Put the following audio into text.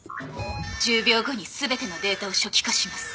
１０秒後に全てのデータを初期化します。